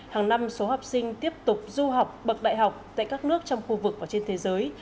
hàng năm số học sinh tiếp tục du học bậc đại học tại các nước trong khu vực và trên thế giới